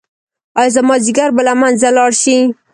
ایا زما ځیګر به له منځه لاړ شي؟